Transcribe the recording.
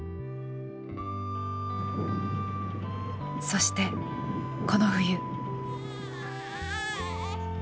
そしてこの冬。